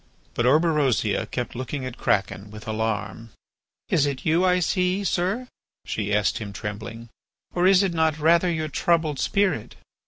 But Orberosia kept looking at Kraken with alarm. "Is it you, I see, sir," she asked him, trembling, "or is it not rather your troubled spirit?"